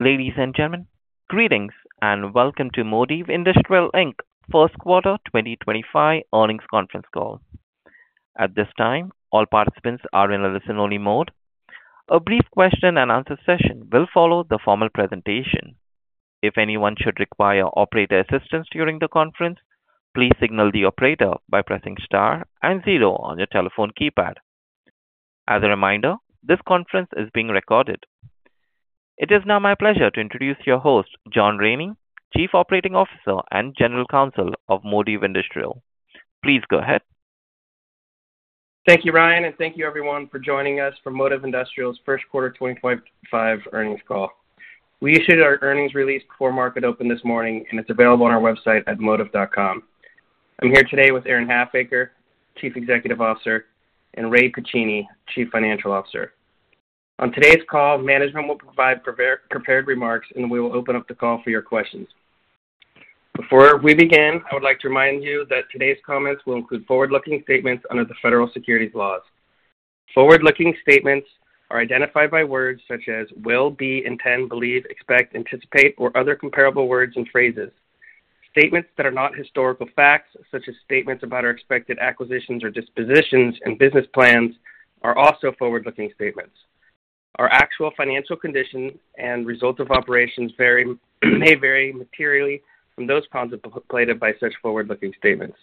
Ladies and gentlemen, greetings and welcome to Modiv Industrial first quarter 2025 earnings conference call. At this time, all participants are in a listen-only mode. A brief question-and-answer session will follow the formal presentation. If anyone should require operator assistance during the conference, please signal the operator by pressing star and zero on your telephone keypad. As a reminder, this conference is being recorded. It is now my pleasure to introduce your host, John Raney, Chief Operating Officer and General Counsel of Modiv Industrial. Please go ahead. Thank you, Ryan, and thank you, everyone, for joining us for Modiv Industrial's First Quarter 2025 earnings call. We issued our earnings release before market open this morning, and it's available on our website at modiv.com. I'm here today with Aaron Halfacre, Chief Executive Officer, and Ray Pacini, Chief Financial Officer. On today's call, management will provide prepared remarks, and we will open up the call for your questions. Before we begin, I would like to remind you that today's comments will include forward-looking statements under the federal securities laws. Forward-looking statements are identified by words such as will, be, intend, believe, expect, anticipate, or other comparable words and phrases. Statements that are not historical facts, such as statements about our expected acquisitions or dispositions and business plans, are also forward-looking statements. Our actual financial conditions and results of operations may vary materially from those contemplated by such forward-looking statements.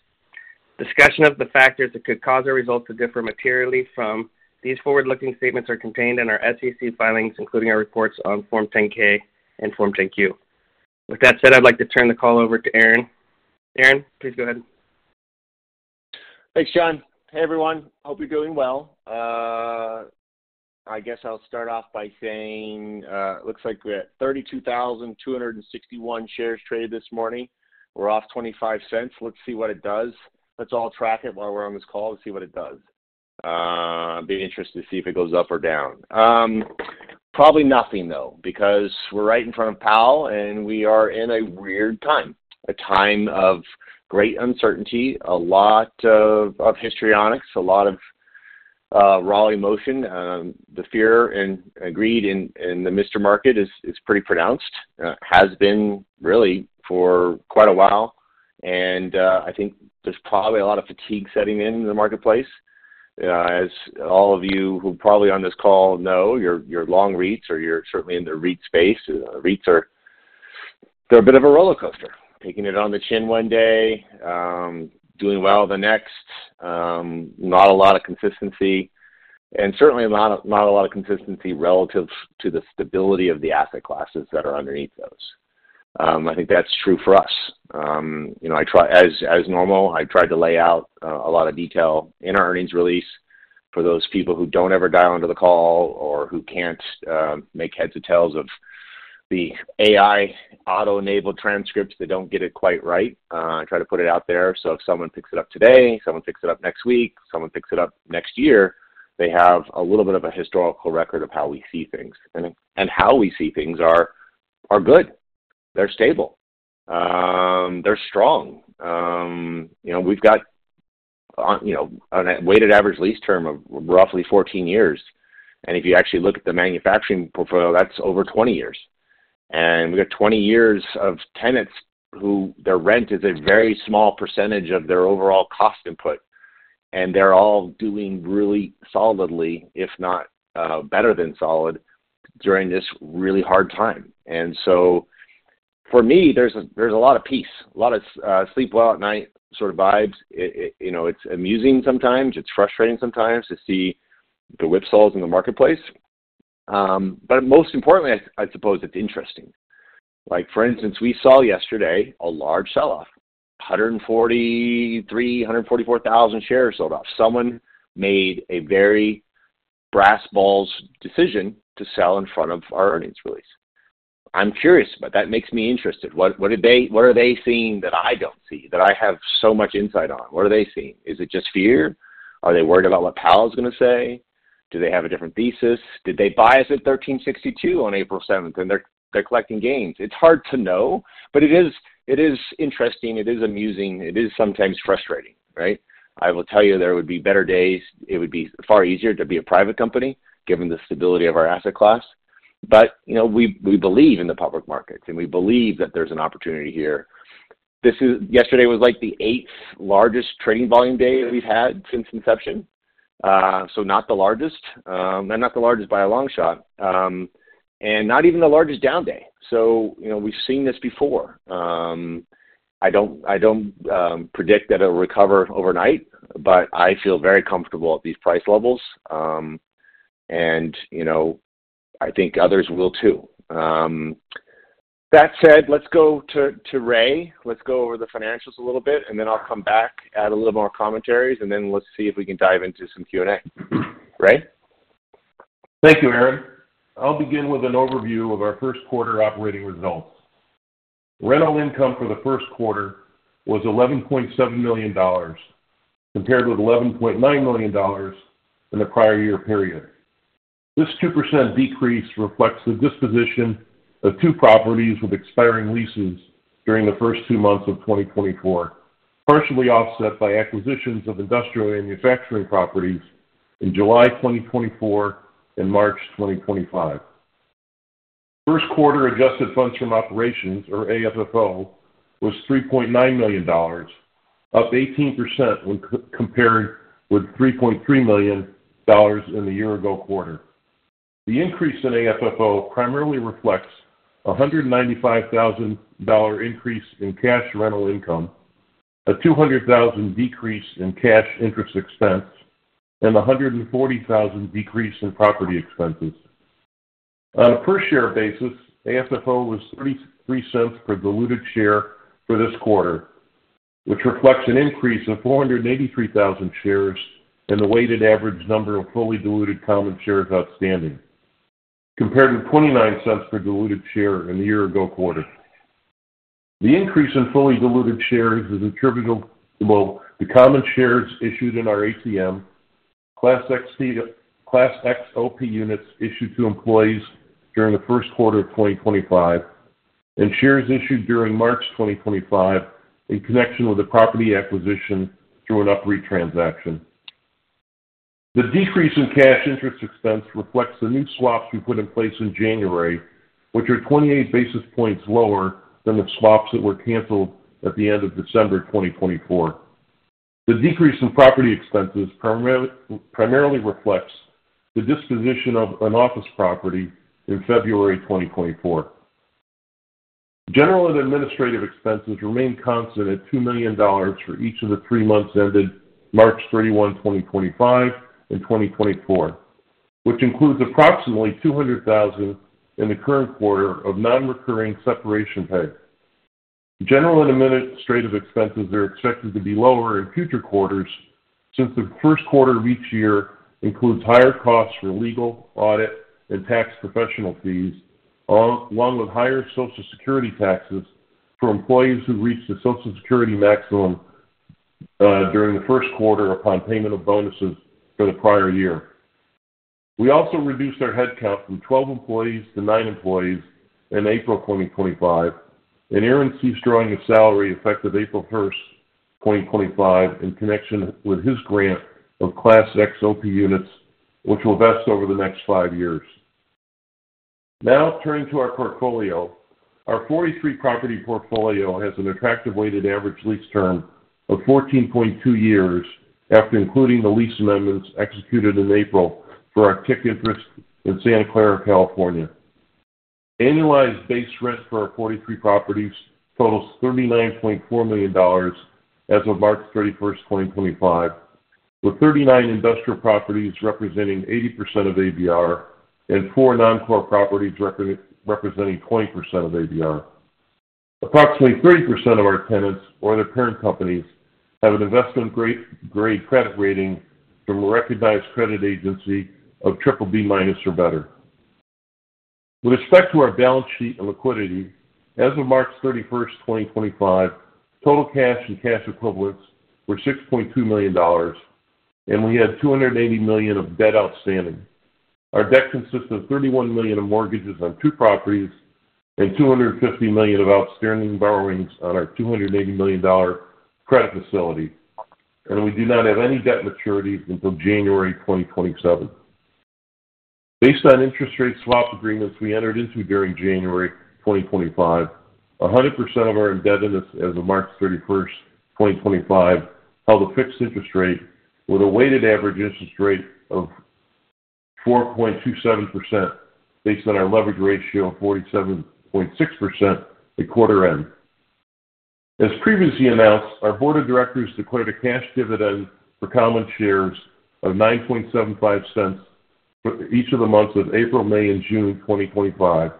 Discussion of the factors that could cause or result to differ materially from these forward-looking statements are contained in our SEC filings, including our reports on Form 10-K and Form 10-Q. With that said, I'd like to turn the call over to Aaron. Aaron, please go ahead. Thanks, John. Hey, everyone. Hope you're doing well. I guess I'll start off by saying it looks like we're at 32,261 shares traded this morning. We're off $0.25. Let's see what it does. Let's all track it while we're on this call and see what it does. I'll be interested to see if it goes up or down. Probably nothing, though, because we're right in front of Powell, and we are in a weird time, a time of great uncertainty, a lot of histrionics, a lot of raw emotion. The fear and greed in the Mr. Market is pretty pronounced. It has been really for quite a while. I think there's probably a lot of fatigue setting in in the marketplace. As all of you who are probably on this call know, you're long REITs or you're certainly in the REIT space. REITs are a bit of a roller coaster, taking it on the chin one day, doing well the next, not a lot of consistency, and certainly not a lot of consistency relative to the stability of the asset classes that are underneath those. I think that's true for us. As normal, I tried to lay out a lot of detail in our earnings release for those people who don't ever dial into the call or who can't make heads or tails of the AI auto-enabled transcripts that don't get it quite right. I try to put it out there. If someone picks it up today, someone picks it up next week, someone picks it up next year, they have a little bit of a historical record of how we see things. How we see things are good. They're stable. They're strong. We've got a weighted average lease term of roughly 14 years. If you actually look at the manufacturing portfolio, that's over 20 years. We've got 20 years of tenants whose rent is a very small percentage of their overall cost input. They're all doing really solidly, if not better than solid, during this really hard time. For me, there's a lot of peace, a lot of sleep well at night sort of vibes. It's amusing sometimes. It's frustrating sometimes to see the whipsaws in the marketplace. Most importantly, I suppose it's interesting. For instance, we saw yesterday a large sell-off. 143,000-144,000 shares sold off. Someone made a very brass-balls decision to sell in front of our earnings release. I'm curious, but that makes me interested. What are they seeing that I don't see, that I have so much insight on? What are they seeing? Is it just fear? Are they worried about what Powell is going to say? Do they have a different thesis? Did they buy us at $13.62 on April 7th, and they're collecting gains? It's hard to know, but it is interesting. It is amusing. It is sometimes frustrating, right? I will tell you there would be better days. It would be far easier to be a private company given the stability of our asset class. We believe in the public markets, and we believe that there's an opportunity here. Yesterday was like the eighth largest trading volume day that we've had since inception. Not the largest, and not the largest by a long shot, and not even the largest down day. We've seen this before. I don't predict that it'll recover overnight, but I feel very comfortable at these price levels. I think others will too. That said, let's go to Ray. Let's go over the financials a little bit, and then I'll come back, add a little more commentaries, and then let's see if we can dive into some Q&A. Ray? Thank you, Aaron. I'll begin with an overview of our first quarter operating results. Rental income for the first quarter was $11.7 million compared with $11.9 million in the prior year period. This 2% decrease reflects the disposition of two properties with expiring leases during the first two months of 2024, partially offset by acquisitions of industrial manufacturing properties in July 2024 and March 2025. First quarter adjusted funds from operations, or AFFO, was $3.9 million, up 18% when compared with $3.3 million in the year-ago quarter. The increase in AFFO primarily reflects a $195,000 increase in cash rental income, a $200,000 decrease in cash interest expense, and a $140,000 decrease in property expenses. On a per-share basis, AFFO was $0.33 per diluted share for this quarter, which reflects an increase of 483,000 shares in the weighted average number of fully diluted common shares outstanding, compared with $0.29 per diluted share in the year-ago quarter. The increase in fully diluted shares is attributable to common shares issued in our ATM, Class X OP units issued to employees during the first quarter of 2025, and shares issued during March 2025 in connection with a property acquisition through an upread transaction. The decrease in cash interest expense reflects the new swaps we put in place in January, which are 28 basis points lower than the swaps that were canceled at the end of December 2024. The decrease in property expenses primarily reflects the disposition of an office property in February 2024. General and administrative expenses remain constant at $2 million for each of the three months ended March 31st, 2025 and 2024, which includes approximately $200,000 in the current quarter of non-recurring separation pay. General and administrative expenses are expected to be lower in future quarters since the first quarter of each year includes higher costs for legal, audit, and tax professional fees, along with higher Social Security taxes for employees who reached the Social Security maximum during the first quarter upon payment of bonuses for the prior year. We also reduced our headcount from 12 employees to 9 employees in April 2025. Aaron is drawing a salary effective April 1st, 2025, in connection with his grant of Class X OP units, which will vest over the next five years. Now, turning to our portfolio, our 43-property portfolio has an attractive weighted average lease term of 14.2 years after including the lease amendments executed in April for our TIC interest in Santa Clara, California. Annualized base rent for our 43 properties totals $39.4 million as of March 31st, 2025, with 39 industrial properties representing 80% of ABR and four non-core properties representing 20% of ABR. Approximately 30% of our tenants or their parent companies have an investment-grade credit rating from a recognized credit agency of BBB- or better. With respect to our balance sheet and liquidity, as of March 31st, 2025, total cash and cash equivalents were $6.2 million, and we had $280 million of debt outstanding. Our debt consists of $31 million of mortgages on two properties and $250 million of outstanding borrowings on our $280 million credit facility. We do not have any debt maturities until January 2027. Based on interest rate swap agreements we entered into during January 2025, 100% of our indebtedness as of March 31st, 2025, held a fixed interest rate with a weighted average interest rate of 4.27% based on our leverage ratio of 47.6% at quarter end. As previously announced, our board of directors declared a cash dividend for common shares of $0.0975 for each of the months of April, May, and June 2025,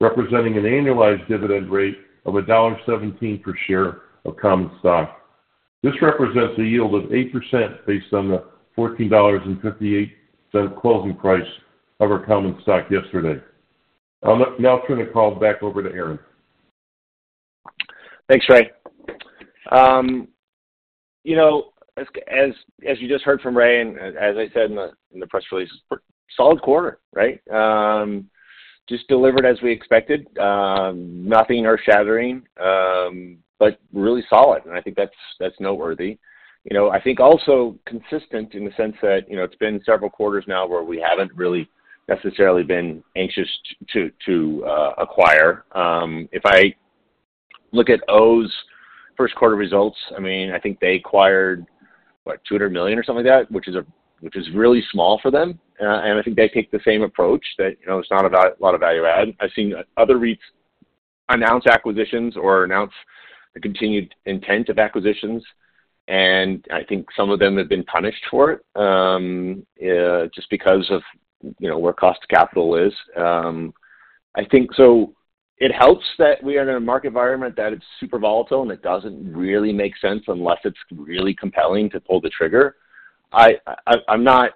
representing an annualized dividend rate of $1.17 per share of common stock. This represents a yield of 8% based on the $14.58 closing price of our common stock yesterday. I'll now turn the call back over to Aaron. Thanks, Ray. As you just heard from Ray and as I said in the press release, solid quarter, right? Just delivered as we expected. Nothing earth-shattering, but really solid. I think that's noteworthy. I think also consistent in the sense that it's been several quarters now where we haven't really necessarily been anxious to acquire. If I look at O's first quarter results, I mean, I think they acquired, what, $200 million or something like that, which is really small for them. I think they take the same approach that it's not a lot of value add. I've seen other REITs announce acquisitions or announce the continued intent of acquisitions. I think some of them have been punished for it just because of where cost capital is. I think it helps that we are in a market environment that is super volatile and it does not really make sense unless it is really compelling to pull the trigger. I am not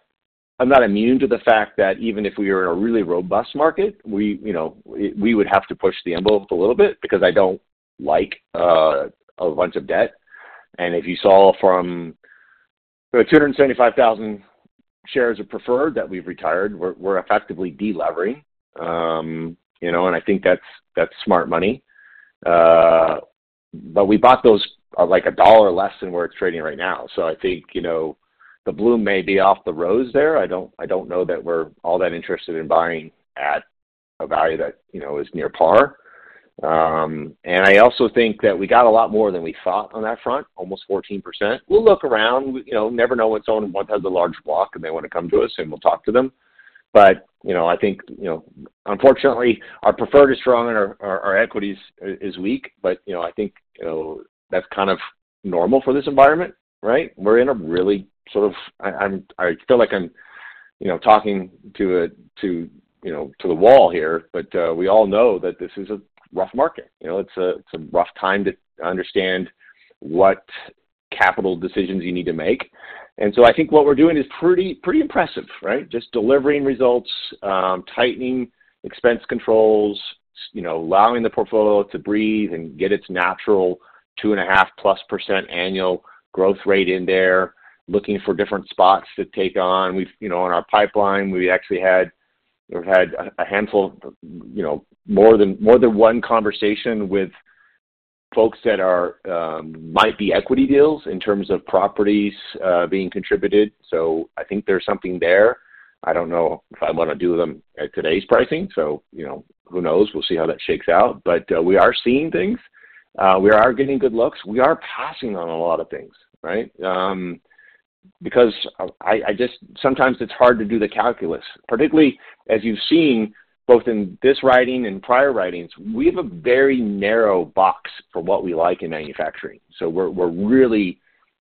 immune to the fact that even if we were in a really robust market, we would have to push the envelope a little bit because I do not like a bunch of debt. If you saw from 275,000 shares of preferred that we have retired, we are effectively delevering. I think that is smart money. We bought those like a dollar less than where it is trading right now. I think the bloom may be off the rose there. I do not know that we are all that interested in buying at a value that is near par. I also think that we got a lot more than we thought on that front, almost 14%. We will look around. You never know what's on what has a large block, and they want to come to us and we'll talk to them. I think, unfortunately, our preferred is strong and our equities is weak, but I think that's kind of normal for this environment, right? We're in a really sort of I feel like I'm talking to the wall here, but we all know that this is a rough market. It's a rough time to understand what capital decisions you need to make. I think what we're doing is pretty impressive, right? Just delivering results, tightening expense controls, allowing the portfolio to breathe and get its natural 2.5%+ annual growth rate in there, looking for different spots to take on. In our pipeline, we actually had a handful, more than one conversation with folks that might be equity deals in terms of properties being contributed. I think there is something there. I do not know if I want to do them at today's pricing. Who knows? We will see how that shakes out. We are seeing things. We are getting good looks. We are passing on a lot of things, right? Sometimes it is hard to do the calculus, particularly as you have seen both in this writing and prior writings. We have a very narrow box for what we like in manufacturing. We are really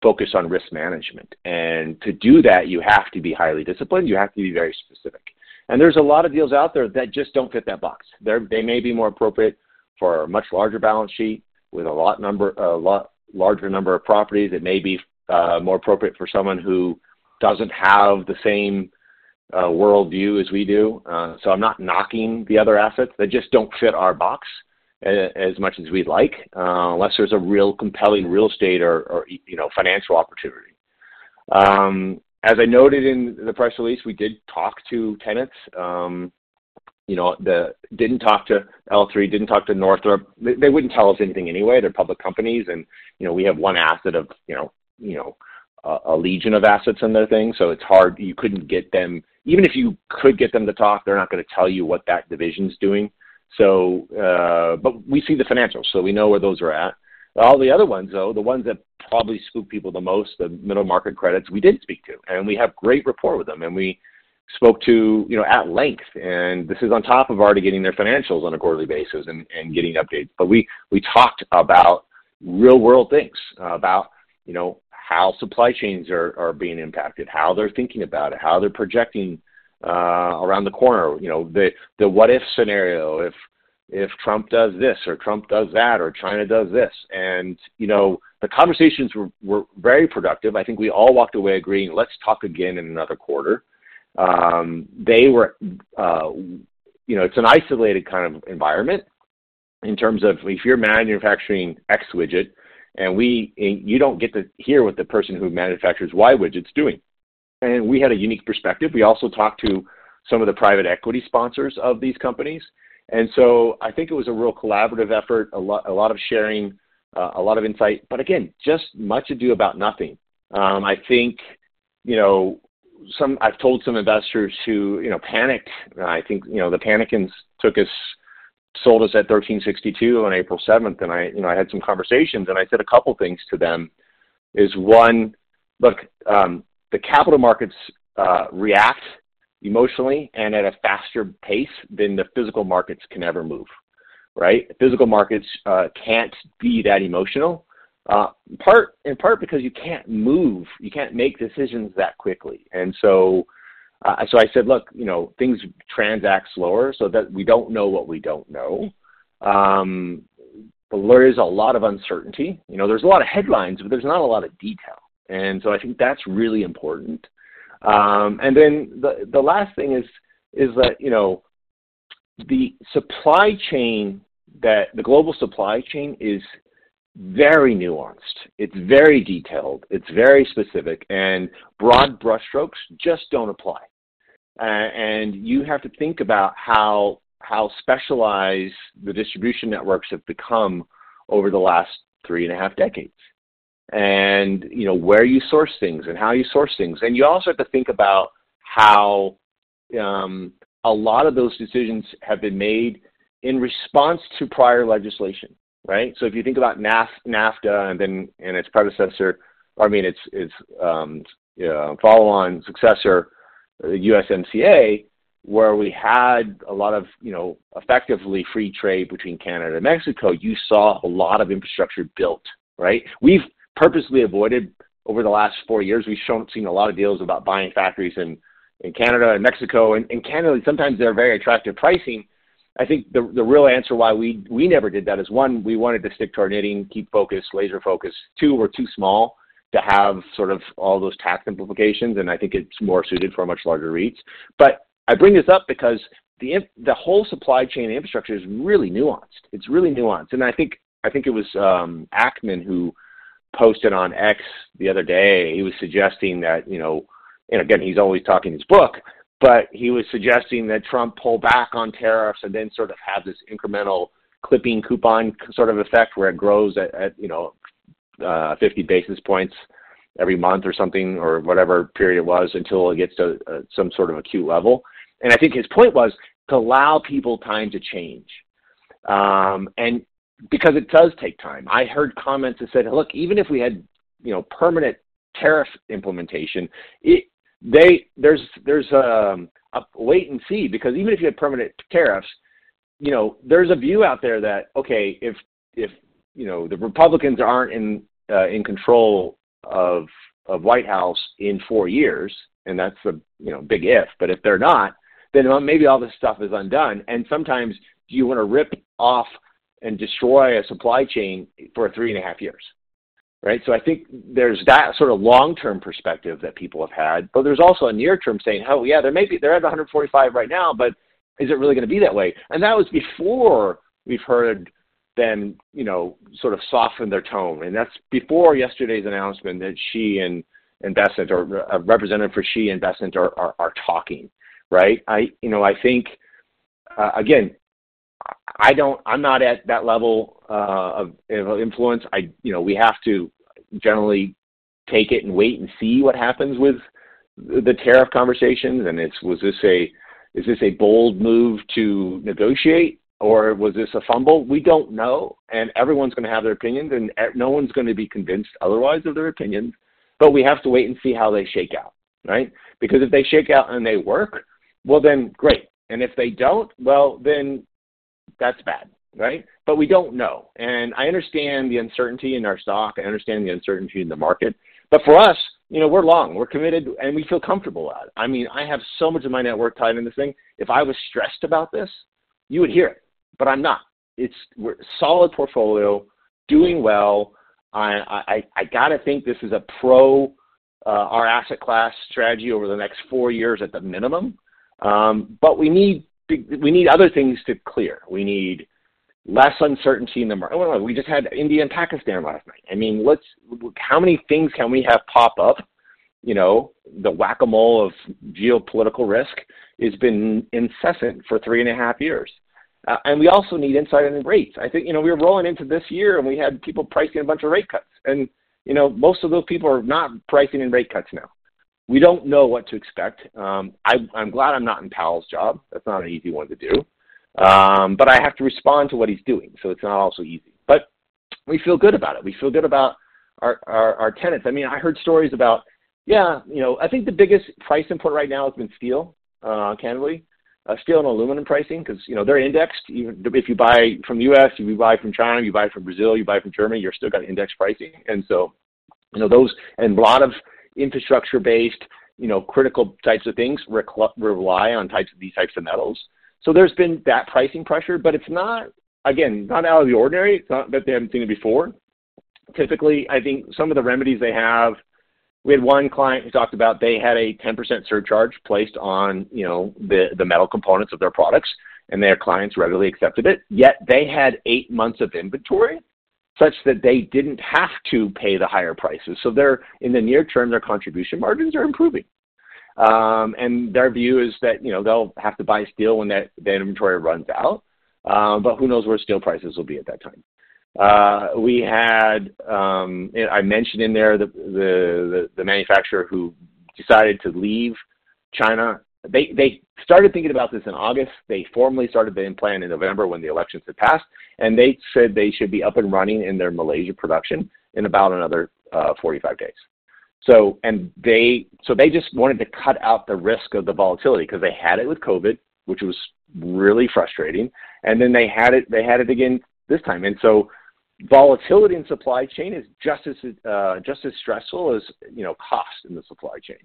focused on risk management. To do that, you have to be highly disciplined. You have to be very specific. There are a lot of deals out there that just do not fit that box. They may be more appropriate for a much larger balance sheet with a lot larger number of properties. It may be more appropriate for someone who does not have the same worldview as we do. I am not knocking the other assets. They just do not fit our box as much as we would like unless there is a real compelling real estate or financial opportunity. As I noted in the press release, we did talk to tenants. Did not talk to L3, did not talk to Northrop. They would not tell us anything anyway. They are public companies. And we have one asset of a legion of assets in their thing. It is hard. You could not get them. Even if you could get them to talk, they are not going to tell you what that division is doing. We see the financials, so we know where those are at. All the other ones, though, the ones that probably spook people the most, the middle market credits, we did speak to. We have great rapport with them. We spoke to them at length. This is on top of already getting their financials on a quarterly basis and getting updates. We talked about real-world things, about how supply chains are being impacted, how they're thinking about it, how they're projecting around the corner, the what-if scenario if Trump does this or Trump does that or China does this. The conversations were very productive. I think we all walked away agreeing, "Let's talk again in another quarter." It is an isolated kind of environment in terms of if you're manufacturing X widget, and you don't get to hear what the person who manufactures Y widgets is doing. We had a unique perspective. We also talked to some of the private equity sponsors of these companies. I think it was a real collaborative effort, a lot of sharing, a lot of insight. Again, just much to do about nothing. I think I've told some investors who panicked. I think the panicking sold us at $13.62 on April 7th. I had some conversations. I said a couple of things to them is, one, look, the capital markets react emotionally and at a faster pace than the physical markets can ever move, right? Physical markets cannot be that emotional, in part because you cannot move. You cannot make decisions that quickly. I said, "Look, things transact slower, so we do not know what we do not know." There is a lot of uncertainty. There is a lot of headlines, but there is not a lot of detail. I think that's really important. The last thing is that the global supply chain is very nuanced. It's very detailed. It's very specific. Broad brushstrokes just don't apply. You have to think about how specialized the distribution networks have become over the last three and a half decades and where you source things and how you source things. You also have to think about how a lot of those decisions have been made in response to prior legislation, right? If you think about NAFTA and its successor, the USMCA, where we had a lot of effectively free trade between Canada and Mexico, you saw a lot of infrastructure built, right? We've purposely avoided, over the last four years, we've seen a lot of deals about buying factories in Canada and Mexico. Candidly, sometimes they're very attractive pricing. I think the real answer why we never did that is, one, we wanted to stick to our knitting, keep focused, laser focused. Two, we're too small to have sort of all those tax simplifications. I think it's more suited for much larger REITs. I bring this up because the whole supply chain infrastructure is really nuanced. It's really nuanced. I think it was Ackman who posted on X the other day. He was suggesting that, and again, he's always talking his book, but he was suggesting that Trump pull back on tariffs and then sort of have this incremental clipping coupon sort of effect where it grows at 50 basis points every month or something or whatever period it was until it gets to some sort of acute level. I think his point was to allow people time to change. Because it does take time. I heard comments that said, "Look, even if we had permanent tariff implementation, there's a wait and see." Because even if you had permanent tariffs, there's a view out there that, okay, if the Republicans aren't in control of the White House in four years, and that's the big if, but if they're not, then maybe all this stuff is undone. Sometimes you want to rip off and destroy a supply chain for three and a half years, right? I think there's that sort of long-term perspective that people have had. There's also a near-term saying, "Hell, yeah, they're at 145 right now, but is it really going to be that way?" That was before we've heard them sort of soften their tone. That is before yesterday's announcement that she and Bessent, or a representative for she and Bessent, are talking, right? I think, again, I am not at that level of influence. We have to generally take it and wait and see what happens with the tariff conversations. Was this a bold move to negotiate, or was this a fumble? We do not know. Everyone is going to have their opinions, and no one is going to be convinced otherwise of their opinions. We have to wait and see how they shake out, right? If they shake out and they work, then great. If they do not, then that is bad, right? We do not know. I understand the uncertainty in our stock. I understand the uncertainty in the market. For us, we are long. We are committed, and we feel comfortable with that. I mean, I have so much of my network tied into this thing. If I was stressed about this, you would hear it. But I'm not. It's a solid portfolio, doing well. I got to think this is a pro our asset class strategy over the next four years at the minimum. But we need other things to clear. We need less uncertainty in the market. We just had India and Pakistan last night. I mean, how many things can we have pop up? The whack-a-mole of geopolitical risk has been incessant for 3.5 years. And we also need insight into rates. I think we're rolling into this year, and we had people pricing a bunch of rate cuts. And most of those people are not pricing in rate cuts now. We don't know what to expect. I'm glad I'm not in Powell's job. That's not an easy one to do. I have to respond to what he's doing, so it's not also easy. We feel good about it. We feel good about our tenants. I mean, I heard stories about, yeah, I think the biggest price input right now has been steel, candidly, steel and aluminum pricing because they're indexed. If you buy from the U.S., if you buy from China, if you buy from Brazil, if you buy from Germany, you've still got index pricing. Those and a lot of infrastructure-based critical types of things rely on these types of metals. There's been that pricing pressure, but it's not, again, not out of the ordinary. It's not that they haven't seen it before. Typically, I think some of the remedies they have, we had one client who talked about they had a 10% surcharge placed on the metal components of their products, and their clients readily accepted it. Yet they had eight months of inventory such that they did not have to pay the higher prices. In the near term, their contribution margins are improving. Their view is that they will have to buy steel when that inventory runs out. Who knows where steel prices will be at that time? I mentioned in there the manufacturer who decided to leave China. They started thinking about this in August. They formally started the implant in November when the elections had passed. They said they should be up and running in their Malaysia production in about another 45 days. They just wanted to cut out the risk of the volatility because they had it with COVID, which was really frustrating. Then they had it again this time. Volatility in supply chain is just as stressful as cost in the supply chain.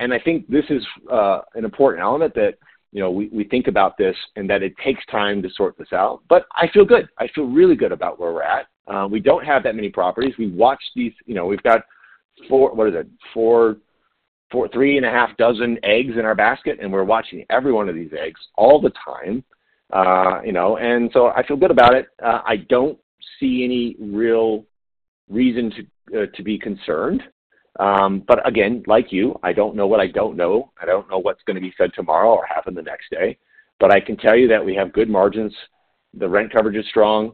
I think this is an important element that we think about and that it takes time to sort this out. I feel good. I feel really good about where we're at. We do not have that many properties. We watch these. We've got, what is it, three and a half dozen eggs in our basket, and we're watching every one of these eggs all the time. I feel good about it. I do not see any real reason to be concerned. Again, like you, I do not know what I do not know. I don't know what's going to be said tomorrow or happen the next day. But I can tell you that we have good margins. The rent coverage is strong.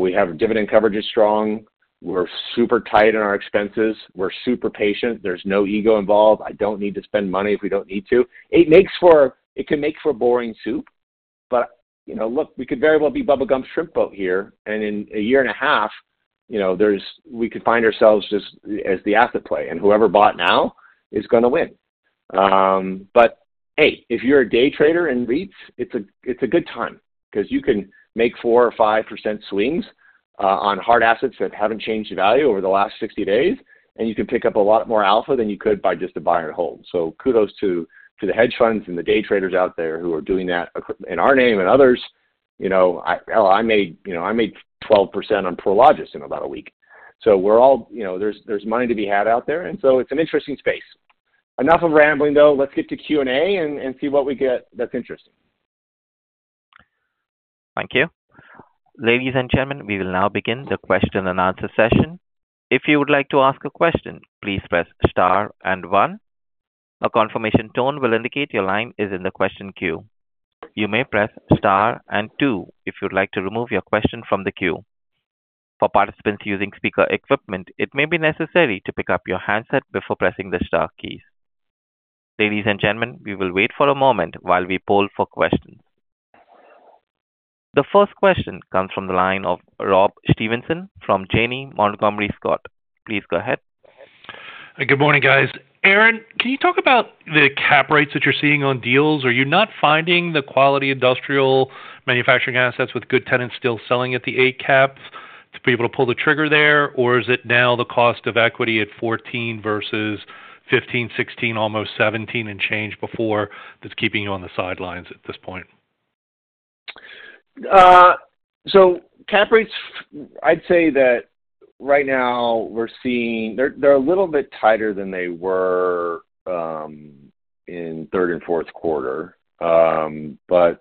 We have dividend coverage is strong. We're super tight on our expenses. We're super patient. There's no ego involved. I don't need to spend money if we don't need to. It can make for boring soup. But look, we could very well be Bubba Gump's shrimp boat here. And in a year and a half, we could find ourselves just as the asset play. And whoever bought now is going to win. But hey, if you're a day trader in REITs, it's a good time because you can make 4-5% swings on hard assets that haven't changed the value over the last 60 days. You can pick up a lot more alpha than you could by just a buy and hold. Kudos to the hedge funds and the day traders out there who are doing that in our name and others. I made 12% on Prologis in about a week. There is money to be had out there. It is an interesting space. Enough of rambling, though. Let's get to Q&A and see what we get that is interesting. Thank you. Ladies and gentlemen, we will now begin the question and answer session. If you would like to ask a question, please press star and one. A confirmation tone will indicate your line is in the question queue. You may press star and two if you would like to remove your question from the queue. For participants using speaker equipment, it may be necessary to pick up your handset before pressing the star keys. Ladies and gentlemen, we will wait for a moment while we poll for questions. The first question comes from the line of Rob Stevenson from Janney Montgomery Scott. Please go ahead. Good morning, guys. Aaron, can you talk about the cap rates that you're seeing on deals? Are you not finding the quality industrial manufacturing assets with good tenants still selling at the 8% cap to be able to pull the trigger there? Or is it now the cost of equity at 14% versus 15%, 16%, almost 17% and change before that's keeping you on the sidelines at this point? Cap rates, I'd say that right now we're seeing they're a little bit tighter than they were in third and fourth quarter. I'd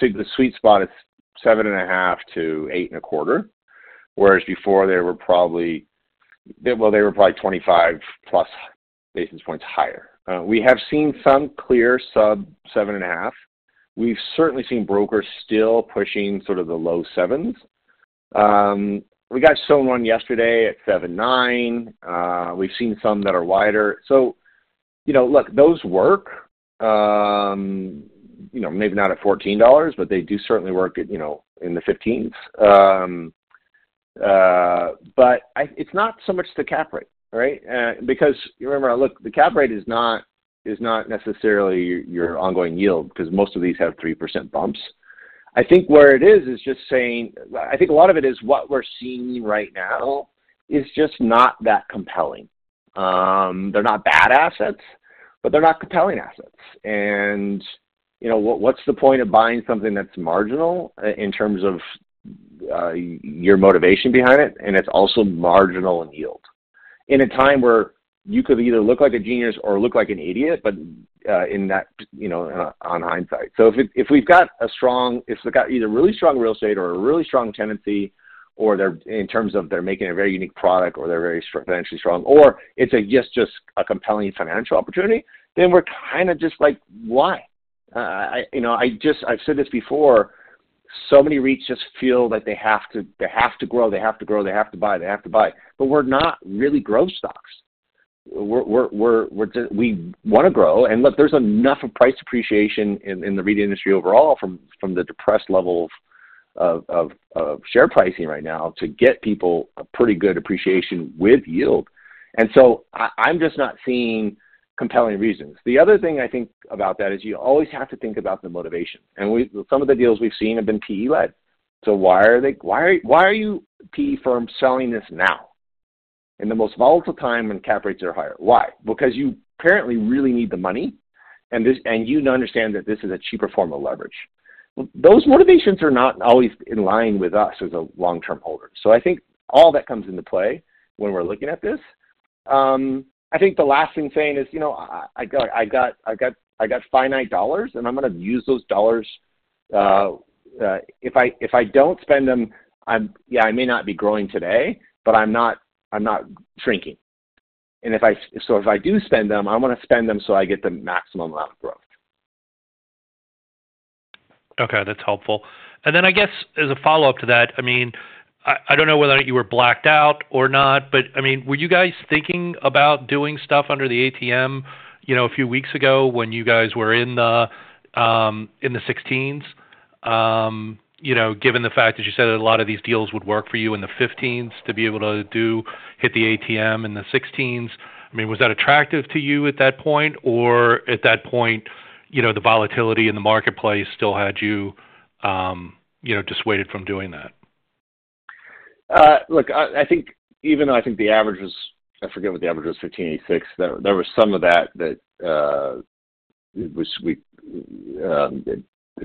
say the sweet spot is 7.5%-8.25%, whereas before they were probably, well, they were probably 25+ basis points higher. We have seen some clear sub-7.5%. We've certainly seen brokers still pushing sort of the low sevens. We got someone yesterday at 7.9%. We've seen some that are wider. Those work. Maybe not at $14, but they do certainly work in the $15s. It's not so much the cap rate, right? Because remember, the cap rate is not necessarily your ongoing yield because most of these have 3% bumps. I think where it is is just saying I think a lot of it is what we're seeing right now is just not that compelling. They're not bad assets, but they're not compelling assets. What's the point of buying something that's marginal in terms of your motivation behind it? It's also marginal in yield in a time where you could either look like a genius or look like an idiot, but in that on hindsight. If we've got a strong, if we've got either really strong real estate or a really strong tenancy or in terms of they're making a very unique product or they're very financially strong or it's just a compelling financial opportunity, then we're kind of just like, "Why?" I've said this before. So many REITs just feel that they have to grow. They have to grow. They have to buy. They have to buy. We're not really growth stocks. We want to grow. Look, there's enough of price appreciation in the REIT industry overall from the depressed level of share pricing right now to get people a pretty good appreciation with yield. I'm just not seeing compelling reasons. The other thing I think about is you always have to think about the motivation. Some of the deals we've seen have been PE-led. Why are you PE firms selling this now in the most volatile time when cap rates are higher? Why? Because you apparently really need the money, and you understand that this is a cheaper form of leverage. Those motivations are not always in line with us as a long-term holder. I think all that comes into play when we're looking at this. I think the last thing saying is, "I got finite dollars, and I'm going to use those dollars. If I do not spend them, yeah, I may not be growing today, but I am not shrinking. If I do spend them, I want to spend them so I get the maximum amount of growth. Okay. That is helpful. I guess as a follow-up to that, I mean, I do not know whether you were blacked out or not, but I mean, were you guys thinking about doing stuff under the ATM a few weeks ago when you guys were in the $16s? Given the fact that you said a lot of these deals would work for you in the $15s to be able to hit the ATM in the $16s, I mean, was that attractive to you at that point? Or at that point, the volatility in the marketplace still had you dissuaded from doing that? Look, I think even though I think the average was, I forget what the average was, $15.86, there was some of that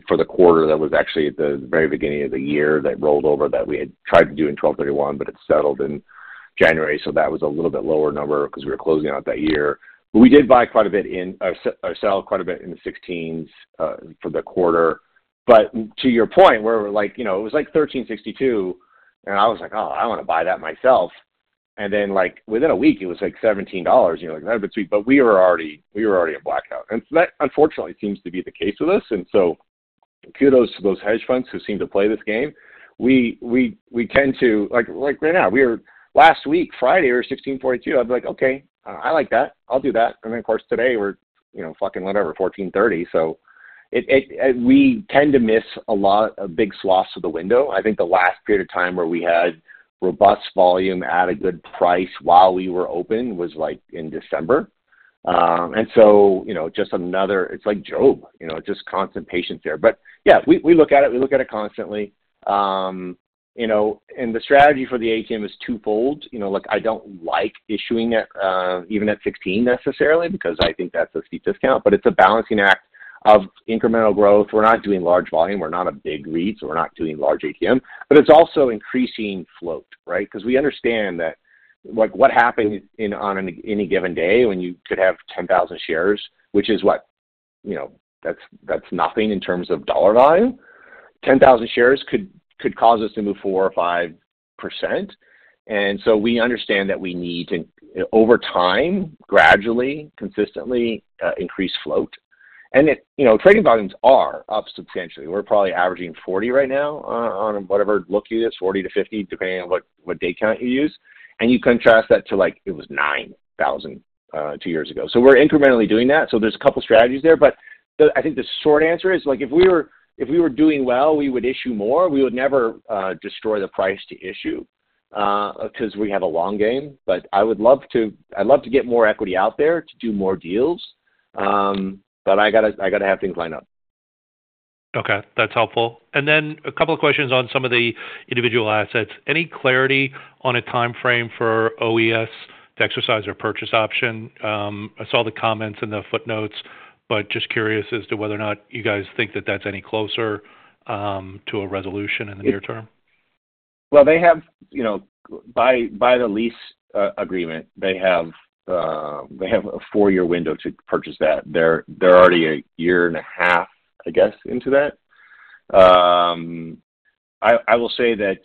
for the quarter that was actually at the very beginning of the year that rolled over that we had tried to do on December 31st, but it settled in January. That was a little bit lower number because we were closing out that year. We did buy quite a bit in or sell quite a bit in the $16s for the quarter. To your point, where it was like $13.62, and I was like, "Oh, I want to buy that myself." Then within a week, it was like $17. You're like, "That'd be sweet." We were already in blackout. That, unfortunately, seems to be the case with us. Kudos to those hedge funds who seem to play this game. We tend to like right now, last week, Friday, we were $16.42. I'd be like, "Okay. I like that. I'll do that." Of course, today, we're fucking whatever, $14.30. We tend to miss a lot of big swaths of the window. I think the last period of time where we had robust volume at a good price while we were open was in December. Just another, it's like Job, just constant patience there. Yeah, we look at it. We look at it constantly. The strategy for the ATM is twofold. Look, I don't like issuing it even at $16 necessarily because I think that's a steep discount. It's a balancing act of incremental growth. We're not doing large volume. We're not a big REIT. We're not doing large ATM. It's also increasing float, right? Because we understand that what happens on any given day when you could have 10,000 shares, which is what, that's nothing in terms of dollar value. 10,000 shares could cause us to move 4% or 5%. We understand that we need to, over time, gradually, consistently increase float. Trading volumes are up substantially. We're probably averaging 40 right now on whatever look you get, 40-50, depending on what day count you use. You contrast that to like it was 9,000 two years ago. We're incrementally doing that. There's a couple of strategies there. I think the short answer is if we were doing well, we would issue more. We would never destroy the price to issue because we have a long game. I would love to get more equity out there to do more deals. I got to have things lined up. Okay. That's helpful. A couple of questions on some of the individual assets. Any clarity on a timeframe for OES to exercise their purchase option? I saw the comments in the footnotes, but just curious as to whether or not you guys think that that's any closer to a resolution in the near term. They have, by the lease agreement, a four-year window to purchase that. They're already a year and a half, I guess, into that. I will say that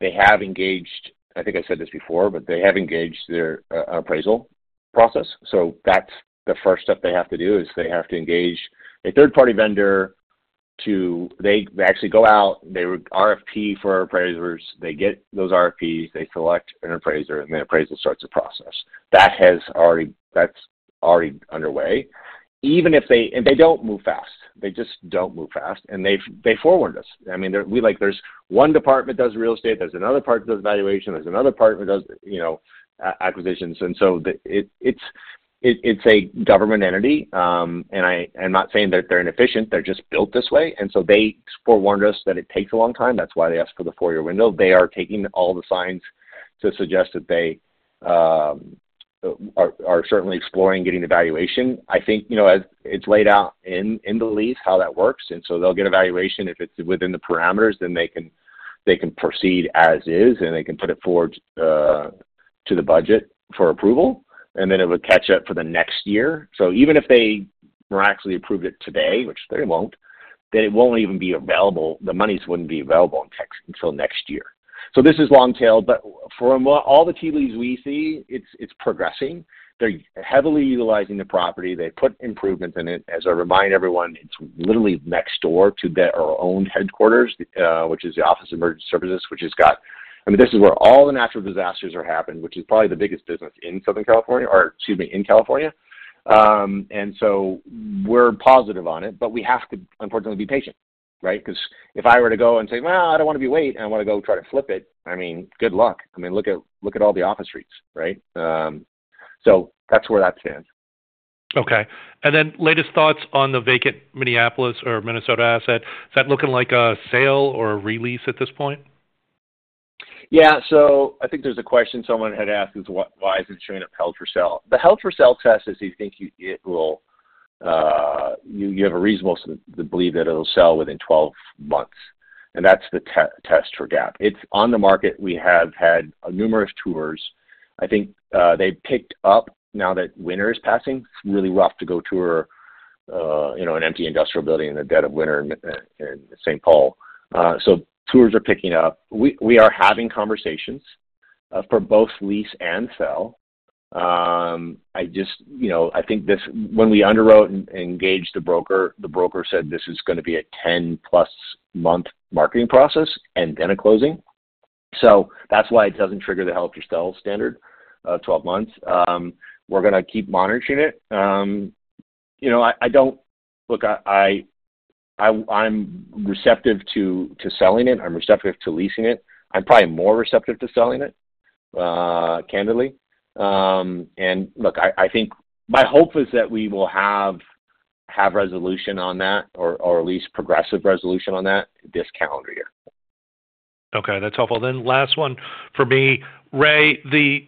they have engaged, I think I said this before, but they have engaged their appraisal process. That's the first step they have to do is they have to engage a third-party vendor to actually go out. They RFP for appraisers. They get those RFPs. They select an appraiser, and the appraisal starts the process. That's already underway. Even if they and they do not move fast. They just do not move fast. They forewarned us. I mean, there is one department that does real estate. There is another department that does valuation. There is another department that does acquisitions. It is a government entity. I am not saying that they are inefficient. They are just built this way. They forewarned us that it takes a long time. That is why they asked for the four-year window. They are taking all the signs to suggest that they are certainly exploring getting the valuation. I think it is laid out in the lease how that works. They will get a valuation. If it is within the parameters, then they can proceed as is, and they can put it forward to the budget for approval. It would catch up for the next year. Even if they were actually approved it today, which they will not, then it will not even be available. The monies would not be available in text until next year. This is long tail. From all the TVs we see, it is progressing. They are heavily utilizing the property. They put improvements in it. As I remind everyone, it is literally next door to their own headquarters, which is the Office of Emergency Services, which has got, I mean, this is where all the natural disasters have happened, which is probably the biggest business in California. We are positive on it, but we have to, unfortunately, be patient, right? If I were to go and say, "I do not want to be late, and I want to go try to flip it," I mean, good luck. I mean, look at all the office streets, right? That is where that stands. Okay. Latest thoughts on the vacant Minneapolis or Minnesota asset. Is that looking like a sale or a release at this point? Yeah. I think there is a question someone had asked: "Why is it not showing as held-for-sale?" The held-for-sale test is you think it will, you have a reason to believe that it will sell within 12 months. That is the test for GAAP. It is on the market. We have had numerous tours. I think they picked up now that winter is passing. It is really rough to go tour an empty industrial building in the dead of winter in St. Paul. Tours are picking up. We are having conversations for both lease and sale. I think when we underwrote and engaged the broker, the broker said, "This is going to be a 10+ months marketing process and then a closing." That is why it does not trigger the held-for-sale standard of 12 months. We are going to keep monitoring it. I do not look, I am receptive to selling it. I am receptive to leasing it. I am probably more receptive to selling it, candidly. I think my hope is that we will have resolution on that or at least progressive resolution on that this calendar year. Okay. That is helpful. Then last one for me, Ray, the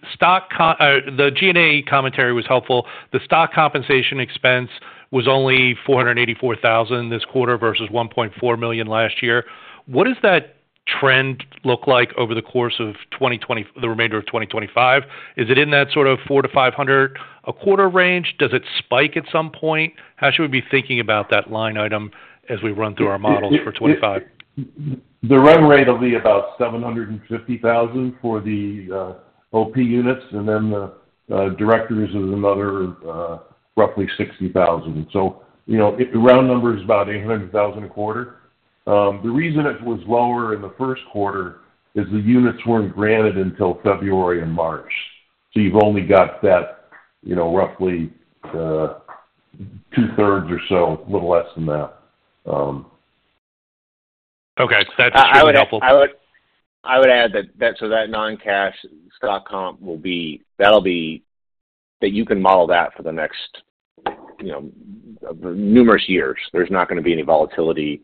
G&A commentary was helpful. The stock compensation expense was only $484,000 this quarter versus $1.4 million last year. What does that trend look like over the course of the remainder of 2025? Is it in that sort of $400,000-$500,000 a quarter range? Does it spike at some point? How should we be thinking about that line item as we run through our models for 2025? The run rate will be about $750,000 for the OP units, and then the directors is another roughly $60,000. So the round number is about $800,000 a quarter. The reason it was lower in the first quarter is the units were not granted until February and March. So you have only got that roughly two-thirds or so, a little less than that. Okay. That is really helpful. I would add that so that non-cash stock comp will be, that will be, that you can model that for the next numerous years. There is not going to be any volatility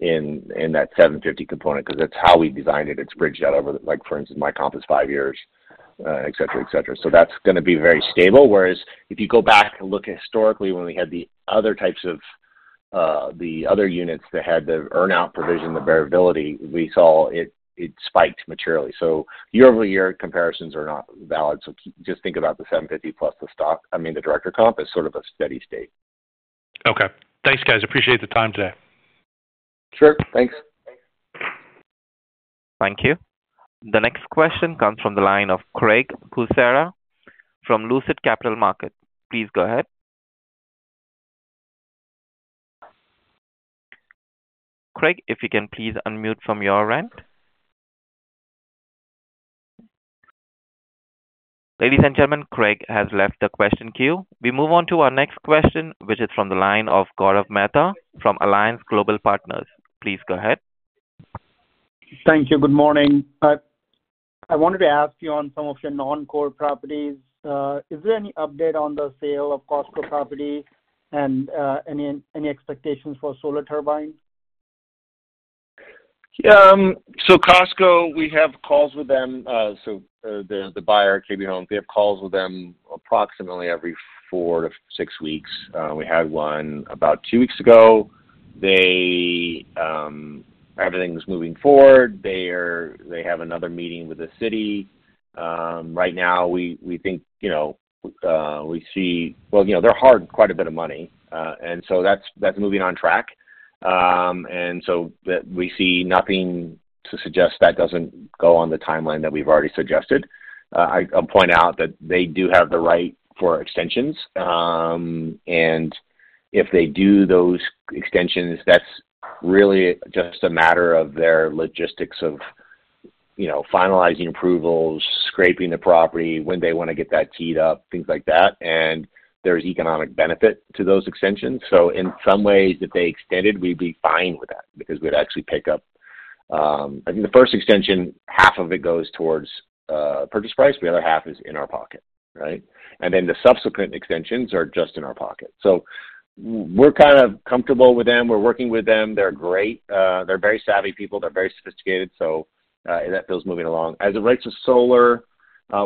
in that $750,000 component because that is how we designed it. It is bridged out over the, like, for instance, my comp is five years, etc. So that is going to be very stable. Whereas if you go back and look historically when we had the other types of the other units that had the earn-out provision, the variability, we saw it spiked materially. So year-over-year comparisons are not valid. Just think about the 750 plus the stock. I mean, the director comp is sort of a steady state. Okay. Thanks, guys. Appreciate the time today. Sure. Thanks. Thank you. The next question comes from the line of Craig Kucera from Lucid Capital Markets. Please go ahead. Craig, if you can please unmute from your end. Ladies and gentlemen, Craig has left the question queue. We move on to our next question, which is from the line of Gaurav Mehta from Alliance Global Partners. Please go ahead. Thank you. Good morning. I wanted to ask you on some of your non-core properties. Is there any update on the sale of the Costco property and any expectations for Solar Turbines? Costco, we have calls with them. The buyer, KB Home, they have calls with them approximately every four to six weeks. We had one about two weeks ago. Everything's moving forward. They have another meeting with the city. Right now, we think we see, well, they're harding quite a bit of money. That's moving on track. We see nothing to suggest that doesn't go on the timeline that we've already suggested. I'll point out that they do have the right for extensions. If they do those extensions, that's really just a matter of their logistics of finalizing approvals, scraping the property, when they want to get that teed up, things like that. There's economic benefit to those extensions. In some ways, if they extended, we'd be fine with that because we'd actually pick up. I think the first extension, half of it goes towards purchase price. The other half is in our pocket, right? The subsequent extensions are just in our pocket. We're kind of comfortable with them. We're working with them. They're great. They're very savvy people. They're very sophisticated. That feels moving along. As it relates to solar,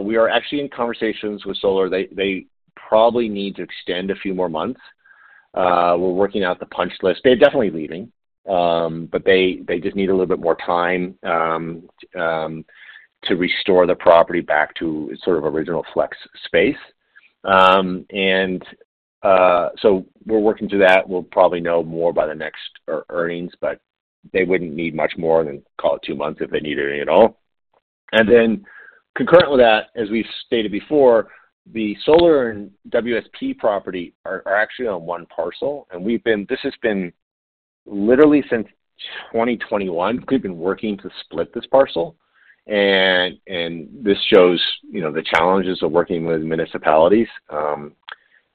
we are actually in conversations with solar. They probably need to extend a few more months. We're working out the punch list. They're definitely leaving, but they just need a little bit more time to restore the property back to sort of original flex space. We're working through that. We'll probably know more by the next earnings, but they wouldn't need much more than, call it, two months if they needed it at all. Concurrent with that, as we stated before, the Solar Turbines and WSP Global property are actually on one parcel. This has been literally since 2021. We've been working to split this parcel, and this shows the challenges of working with municipalities,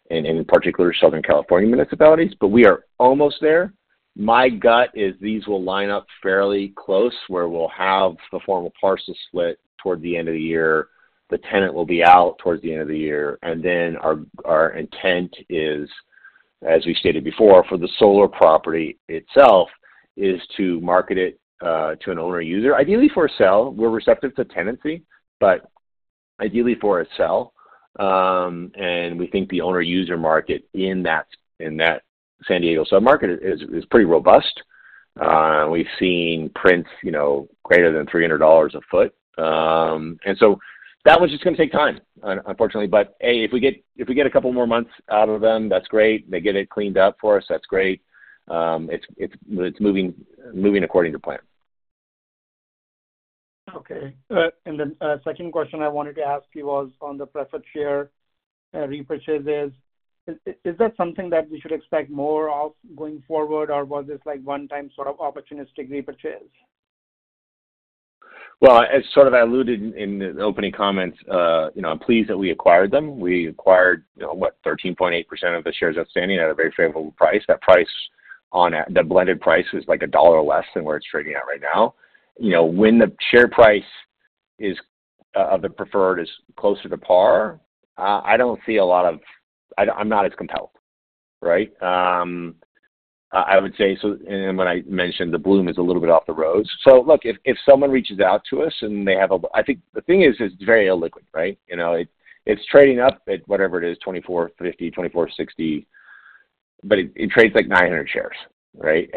and in particular, Southern California municipalities. We are almost there. My gut is these will line up fairly close, where we'll have the formal parcel split toward the end of the year. The tenant will be out towards the end of the year. Our intent is, as we stated before, for the Solar Turbines property itself, to market it to an owner-user. Ideally, for a sale. We're receptive to tenancy, but ideally, for a sale. We think the owner-user market in that San Diego submarket is pretty robust. We've seen prints greater than $300 a sq ft. That was just going to take time, unfortunately. Hey, if we get a couple more months out of them, that's great. They get it cleaned up for us. That's great. It's moving according to plan. A second question I wanted to ask you was on the preferred share repurchases. Is that something that we should expect more of going forward, or was this a one-time sort of opportunistic repurchase? As I alluded in the opening comments, I'm pleased that we acquired them. We acquired 13.8% of the shares outstanding at a very favorable price. That price, the blended price, is like a dollar less than where it's trading at right now. When the share price of the preferred is closer to par, I do not see a lot of, I am not as compelled, right? I would say. And when I mentioned the bloom is a little bit off the rose. Look, if someone reaches out to us and they have a, I think the thing is it is very illiquid, right? It is trading up at whatever it is, $24.50-$24.60, but it trades like 900 shares, right?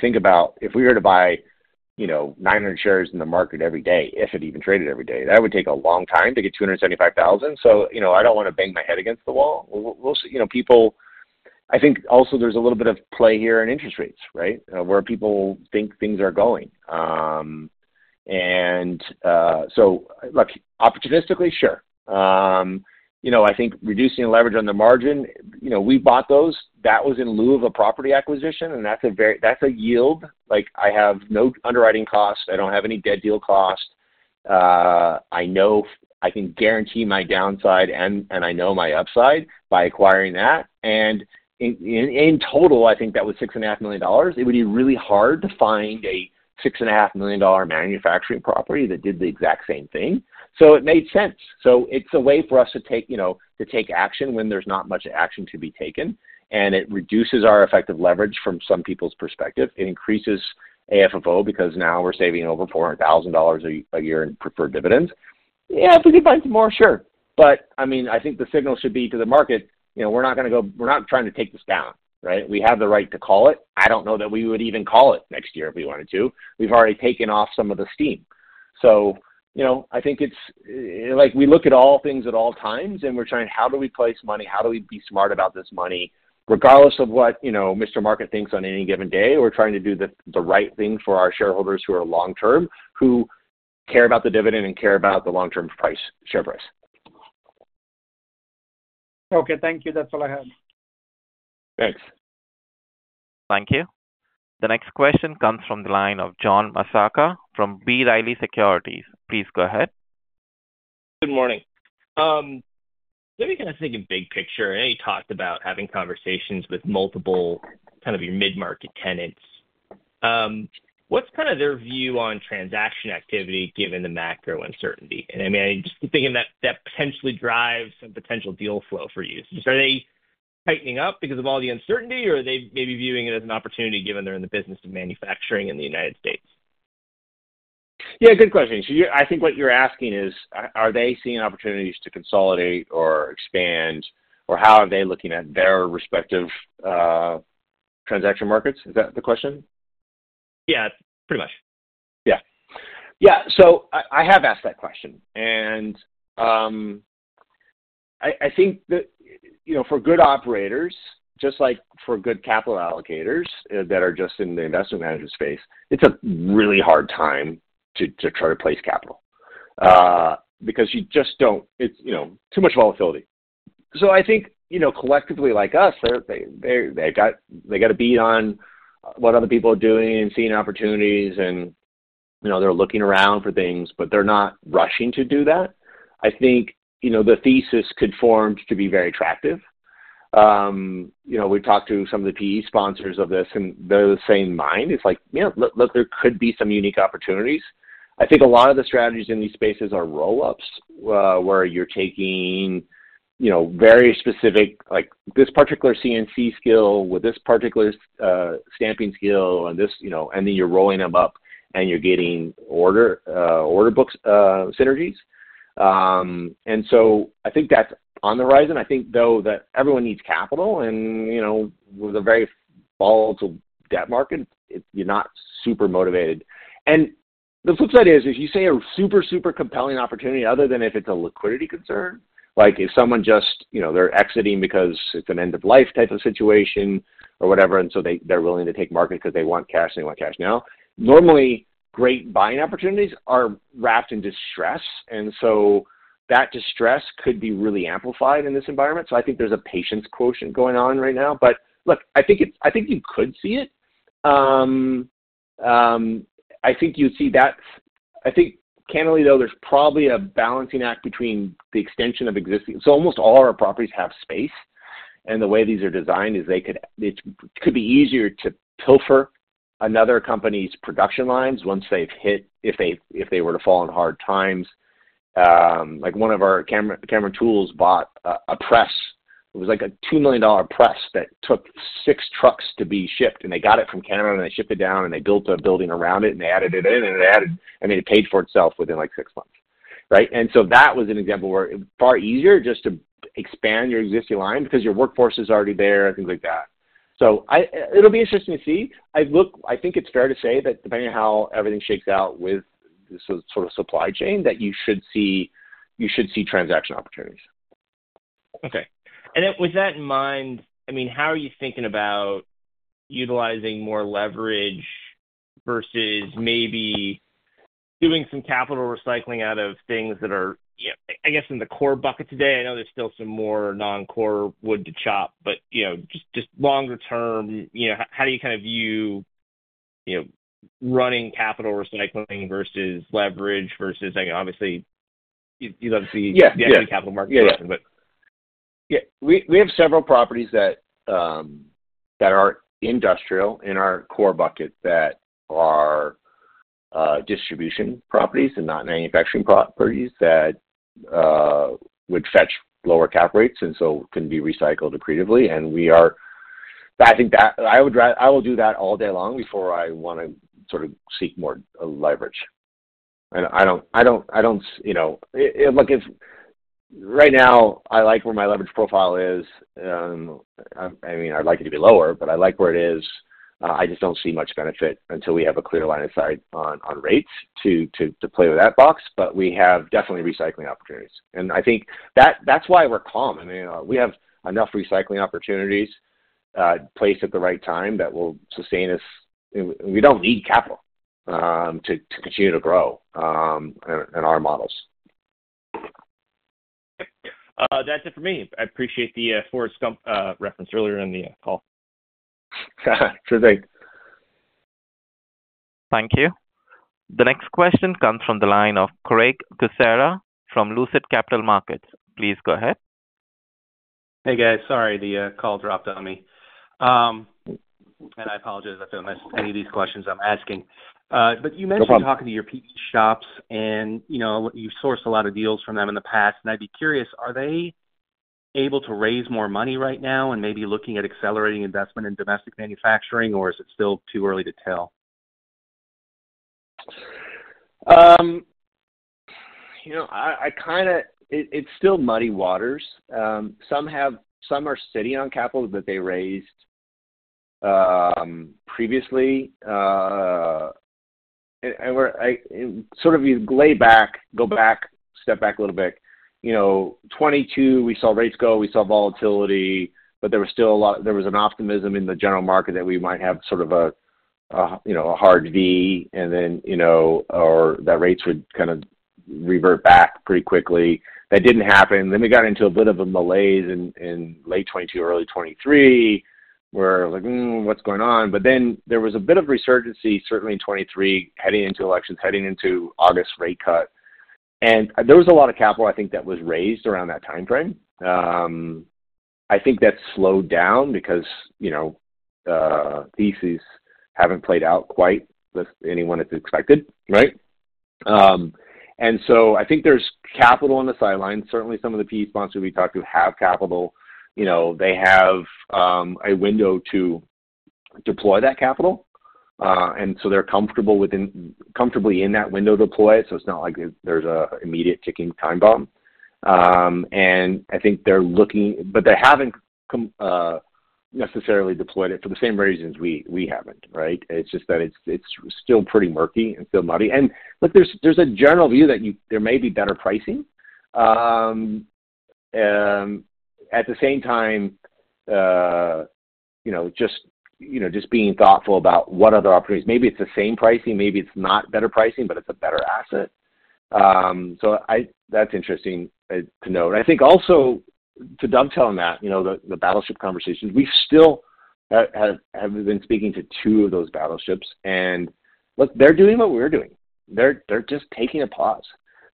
Think about if we were to buy 900 shares in the market every day, if it even traded every day, that would take a long time to get 275,000. I do not want to bang my head against the wall. We will see. I think also there is a little bit of play here in interest rates, right, where people think things are going. Look, opportunistically, sure. I think reducing leverage on the margin, we bought those. That was in lieu of a property acquisition, and that's a yield. I have no underwriting cost. I don't have any dead deal cost. I can guarantee my downside, and I know my upside by acquiring that. And in total, I think that was $6.5 million. It would be really hard to find a $6.5 million manufacturing property that did the exact same thing. So it made sense. It's a way for us to take action when there's not much action to be taken. It reduces our effective leverage from some people's perspective. It increases AFFO because now we're saving over $400,000 a year in preferred dividends. Yeah, if we could find some more, sure. I mean, I think the signal should be to the market, we're not going to go we're not trying to take this down, right? We have the right to call it. I do not know that we would even call it next year if we wanted to. We have already taken off some of the steam. I think it is like we look at all things at all times, and we are trying to how do we place money? How do we be smart about this money? Regardless of what Mr. Market thinks on any given day, we are trying to do the right thing for our shareholders who are long-term, who care about the dividend and care about the long-term share price. Okay. Thank you. That is all I have. Thanks. Thank you. The next question comes from the line of John Massocca from B. Riley Securities. Please go ahead. Good morning. Maybe kind of thinking big picture, I know you talked about having conversations with multiple kind of your mid-market tenants. What's kind of their view on transaction activity given the macro uncertainty? I mean, I'm just thinking that that potentially drives some potential deal flow for you. Are they tightening up because of all the uncertainty, or are they maybe viewing it as an opportunity given they're in the business of manufacturing in the United States? Yeah, good question. I think what you're asking is, are they seeing opportunities to consolidate or expand, or how are they looking at their respective transaction markets? Is that the question? Yeah, pretty much. Yeah. Yeah. I have asked that question. I think for good operators, just like for good capital allocators that are just in the investment management space, it's a really hard time to try to place capital because you just don't, it's too much volatility. I think collectively, like us, they've got a beat on what other people are doing and seeing opportunities, and they're looking around for things, but they're not rushing to do that. I think the thesis could form to be very attractive. We've talked to some of the PE sponsors of this, and they're of the same mind. It's like, yeah, look, there could be some unique opportunities. I think a lot of the strategies in these spaces are roll-ups where you're taking very specific, like this particular CNC skill with this particular stamping skill, and then you're rolling them up, and you're getting order book synergies. I think that's on the horizon. I think, though, that everyone needs capital, and with a very volatile debt market, you're not super motivated. The flip side is, if you see a super, super compelling opportunity other than if it is a liquidity concern, like if someone just—they are exiting because it is an end-of-life type of situation or whatever, and so they are willing to take market because they want cash, and they want cash now, normally great buying opportunities are wrapped in distress. That distress could be really amplified in this environment. I think there is a patience quotient going on right now. Look, I think you could see it. I think you would see that. I think, candidly, though, there is probably a balancing act between the extension of existing. Almost all our properties have space, and the way these are designed is they could—it could be easier to pilfer another company's production lines once they have hit, if they were to fall in hard times. Like one of our camera tools bought a press. It was like a $2 million press that took six trucks to be shipped, and they got it from Canada, and they shipped it down, and they built a building around it, and they added it in, and I mean, it paid for itself within like six months, right? That was an example where it was far easier just to expand your existing line because your workforce is already there and things like that. It'll be interesting to see. I think it's fair to say that depending on how everything shakes out with this sort of supply chain, you should see transaction opportunities. Okay. With that in mind, I mean, how are you thinking about utilizing more leverage versus maybe doing some capital recycling out of things that are, I guess, in the core bucket today? I know there is still some more non-core wood to chop, but just longer term, how do you kind of view running capital recycling versus leverage versus, obviously, you would love to see the equity capital markets open. Yeah. We have several properties that are industrial in our core bucket that are distribution properties and not manufacturing properties that would fetch lower cap rates and so can be recycled accretively. I think I will do that all day long before I want to sort of seek more leverage. I do not look at right now, I like where my leverage profile is. I mean, I would like it to be lower, but I like where it is. I just do not see much benefit until we have a clear line of sight on rates to play with that box. We have definitely recycling opportunities. I think that is why we are calm. I mean, we have enough recycling opportunities placed at the right time that will sustain us. We do not need capital to continue to grow in our models. Yep. That is it for me. I appreciate the Forrest Gump reference earlier in the call. Sure thing. Thank you. The next question comes from the line of Craig Kucera from Lucid Capital Markets. Please go ahead. Hey, guys. Sorry, the call dropped on me. I apologize if I missed any of these questions I am asking. You mentioned talking to your PE shops, and you have sourced a lot of deals from them in the past. I'd be curious, are they able to raise more money right now and maybe looking at accelerating investment in domestic manufacturing, or is it still too early to tell? I kind of, it's still muddy waters. Some are sitting on capital that they raised previously. Sort of, you lay back, go back, step back a little bit. In 2022, we saw rates go. We saw volatility, but there was still a lot, there was an optimism in the general market that we might have sort of a hard V, and then, or that rates would kind of revert back pretty quickly. That did not happen. We got into a bit of a malaise in late 2022, early 2023, where we're like, "What's going on?" There was a bit of resurgency, certainly in 2023, heading into elections, heading into August rate cut. There was a lot of capital, I think, that was raised around that time frame. I think that slowed down because theses have not played out quite as anyone expected, right? I think there is capital on the sidelines. Certainly, some of the PE sponsors we talked to have capital. They have a window to deploy that capital, and they are comfortable in that window to deploy it. It is not like there is an immediate ticking time bomb. I think they are looking, but they have not necessarily deployed it for the same reasons we have not, right? It is just that it is still pretty murky and still muddy. There is a general view that there may be better pricing. At the same time, just being thoughtful about what other opportunities. Maybe it is the same pricing. Maybe it is not better pricing, but it is a better asset. That is interesting to note. I think also, to dovetail on that, the battleship conversations, we still have been speaking to two of those battleships. Look, they're doing what we're doing. They're just taking a pause.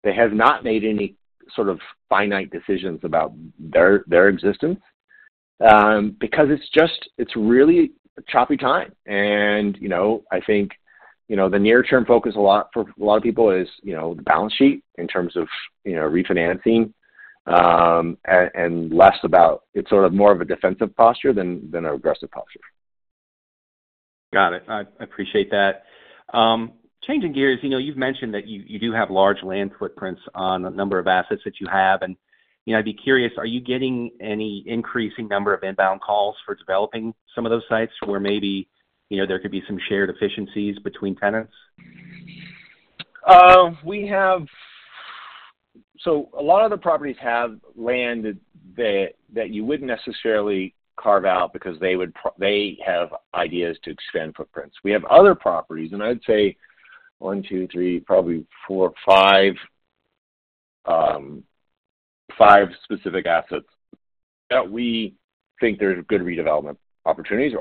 They have not made any sort of finite decisions about their existence because it's really a choppy time. I think the near-term focus for a lot of people is the balance sheet in terms of refinancing and less about, it's sort of more of a defensive posture than an aggressive posture. Got it. I appreciate that. Changing gears, you've mentioned that you do have large land footprints on a number of assets that you have. I'd be curious, are you getting any increasing number of inbound calls for developing some of those sites where maybe there could be some shared efficiencies between tenants? A lot of the properties have land that you would not necessarily carve out because they have ideas to expand footprints. We have other properties, and I would say one, two, three, probably four, five specific assets that we think there are good development opportunities,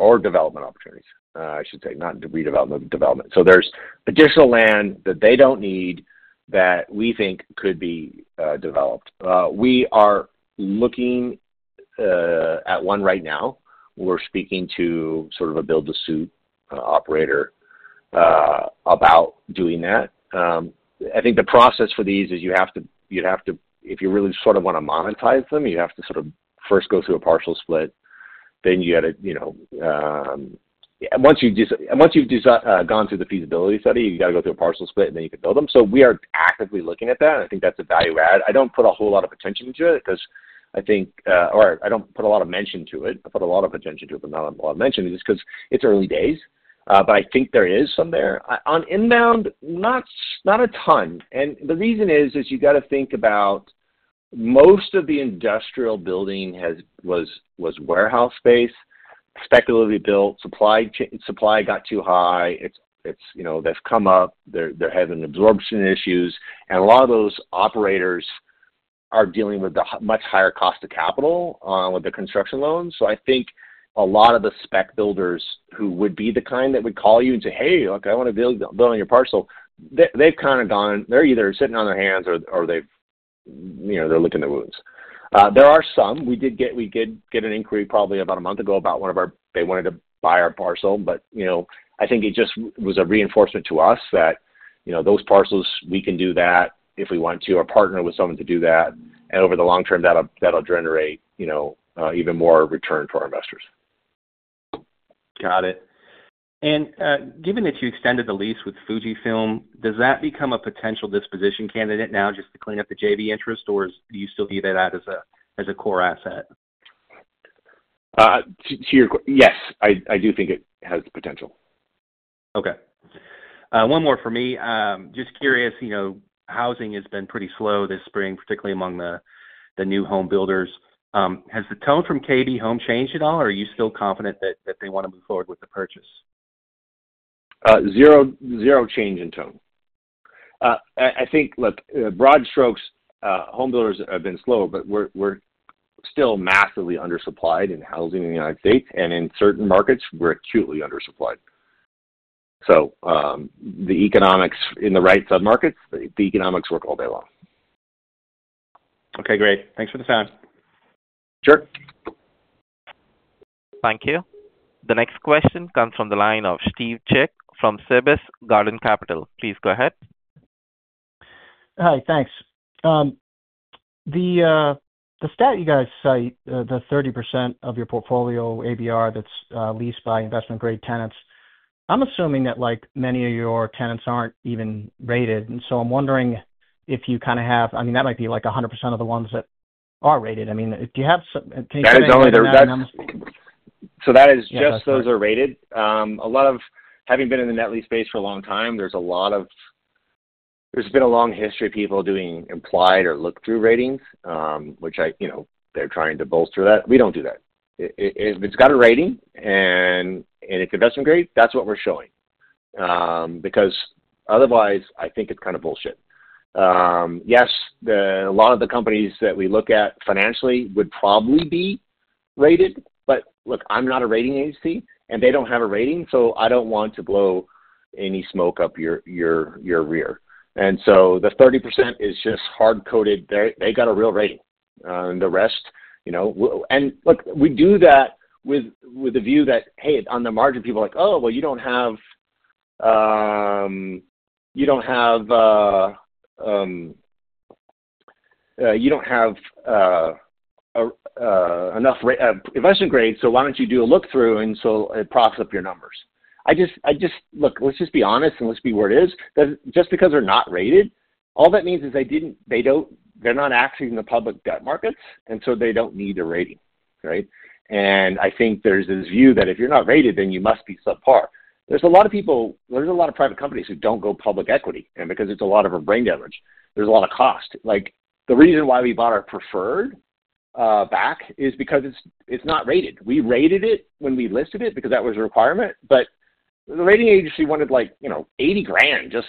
I should say, not redevelopment, development. There is additional land that they do not need that we think could be developed. We are looking at one right now. We are speaking to sort of a build-to-suit operator about doing that. I think the process for these is you have to, if you really sort of want to monetize them, you have to first go through a partial split. Then once you have gone through the feasibility study, you have to go through a partial split, and then you can build them. We are actively looking at that. I think that's a value add. I don't put a whole lot of attention to it because I think or I don't put a lot of mention to it. I put a lot of attention to it, but not a lot of mention is because it's early days. I think there is some there. On inbound, not a ton. The reason is you got to think about most of the industrial building was warehouse space, speculatively built. Supply got too high. They've come up. They're having absorption issues. A lot of those operators are dealing with a much higher cost of capital with the construction loans. I think a lot of the spec builders who would be the kind that would call you and say, "Hey, look, I want to build on your parcel," they've kind of gone, they're either sitting on their hands or they're licking their wounds. There are some. We did get an inquiry probably about a month ago about one of our, they wanted to buy our parcel, but I think it just was a reinforcement to us that those parcels, we can do that if we want to or partner with someone to do that. Over the long term, that'll generate even more return for our investors. Got it. Given that you extended the lease with Fujifilm, does that become a potential disposition candidate now just to clean up the JV interest, or do you still view that as a core asset? Yes, I do think it has the potential. Okay. One more for me. Just curious, housing has been pretty slow this spring, particularly among the new home builders. Has the tone from KB Home changed at all, or are you still confident that they want to move forward with the purchase? Zero change in tone. I think, look, broad strokes, home builders have been slow, but we're still massively undersupplied in housing in the United States. And in certain markets, we're acutely undersupplied. The economics in the right submarkets, the economics work all day long. Okay. Great. Thanks for the time. Sure. Thank you. The next question comes from the line of Steve Chick from Sebis Garden Capital. Please go ahead. Hi. Thanks. The stat you guys cite, the 30% of your portfolio ABR that's leased by investment-grade tenants, I'm assuming that many of your tenants aren't even rated. I'm wondering if you kind of have, I mean, that might be like 100% of the ones that are rated. Do you have some, can you explain that to me? That is just, those are rated. A lot of having been in the net lease space for a long time, there's a long history of people doing implied or look-through ratings, which they're trying to bolster that. We don't do that. If it's got a rating and it's investment-grade, that's what we're showing. Because otherwise, I think it's kind of bullshit. Yes, a lot of the companies that we look at financially would probably be rated. But look, I'm not a rating agency, and they don't have a rating. I don't want to blow any smoke up your rear. The 30% is just hard-coded. They got a real rating. The rest, and look, we do that with the view that, hey, on the margin, people are like, "Oh, well, you don't have, you don't have enough investment grade, so why don't you do a look-through, and so it props up your numbers?" I just, look, let's just be honest, and let's be where it is. Just because they're not rated, all that means is they're not acting in the public debt markets, and so they don't need a rating, right? I think there's this view that if you're not rated, then you must be subpar. There's a lot of people, there's a lot of private companies who don't go public equity. Because it's a lot of brain damage, there's a lot of cost. The reason why we bought our preferred back is because it's not rated. We rated it when we listed it because that was a requirement. The rating agency wanted like $80,000 just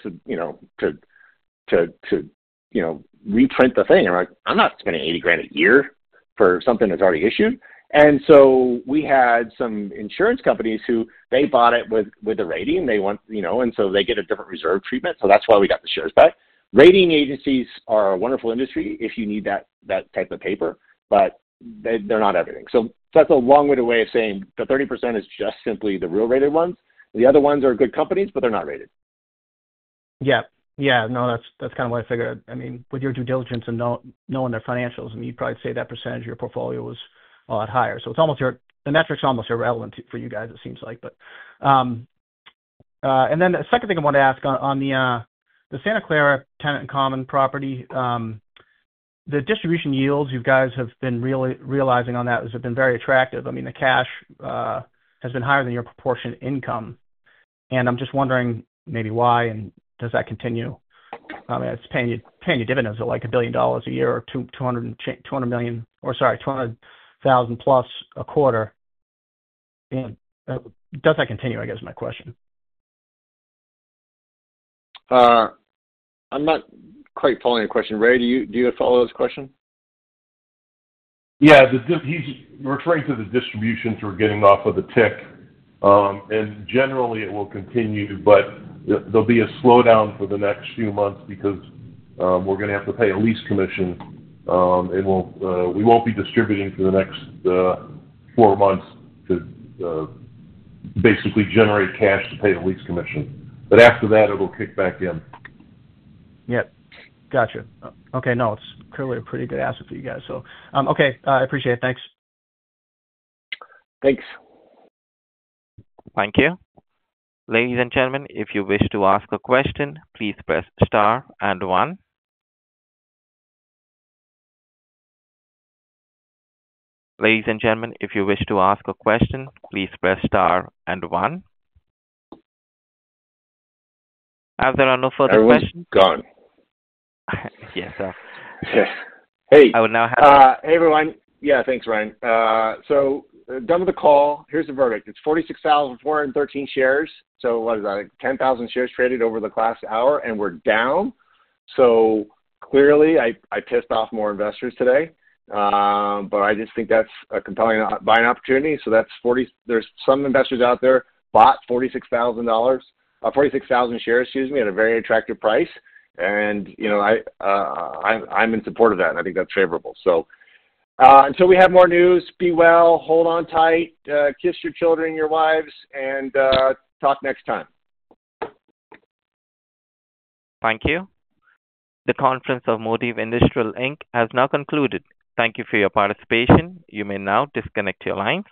to reprint the thing. I'm like, "I'm not spending $80,000 a year for something that's already issued." We had some insurance companies who bought it with a rating, and they get a different reserve treatment. That's why we got the shares back. Rating agencies are a wonderful industry if you need that type of paper, but they're not everything. That's a long-winded way of saying the 30% is just simply the real-rated ones. The other ones are good companies, but they're not rated. Yeah. Yeah. No, that's kind of what I figured. I mean, with your due diligence and knowing their financials, I mean, you'd probably say that percentage of your portfolio was a lot higher. It's almost your, the metrics are almost irrelevant for you guys, it seems like. The second thing I wanted to ask on the Santa Clara Tenant and Common property, the distribution yields you guys have been realizing on that have been very attractive. I mean, the cash has been higher than your proportion income. I'm just wondering maybe why and does that continue? I mean, it's paying you dividends of like $1 billion a year or $200,000+ a quarter. Does that continue, I guess, is my question. I'm not quite following your question. Ray, do you follow this question? Yeah. He's referring to the distributions we're getting off of the tick. Generally, it will continue, but there will be a slowdown for the next few months because we're going to have to pay a lease commission. We won't be distributing for the next four months to basically generate cash to pay a lease commission. After that, it'll kick back in. Yep. Gotcha. Okay. No, it's clearly a pretty good asset for you guys. Okay. I appreciate it. Thanks. Thank you. Ladies and gentlemen, if you wish to ask a question, please press star and one. Ladies and gentlemen, if you wish to ask a question, please press star and one. As there are no further questions— Everyone's gone. Yes, sir. Yes. Hey. I will now have— Hey, everyone. Yeah. Thanks, Ryan. Done with the call. Here's the verdict. It's 46,413 shares. What is that, 10,000 shares traded over the last hour, and we're down. Clearly, I pissed off more investors today. I just think that's a compelling buying opportunity. There's some investors out there bought 46,000 shares, excuse me, at a very attractive price. I'm in support of that. I think that's favorable. Until we have more news, be well, hold on tight, kiss your children, your wives, and talk next time. Thank you. The conference of Modiv Industrial has now concluded. Thank you for your participation. You may now disconnect your lines.